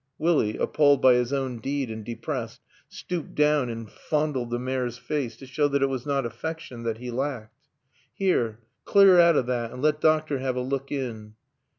Willie, appalled by his own deed and depressed, stooped down and fondled the mare's face, to show that it was not affection that he lacked. "Heer clear out o' thot and let doctor have a look in."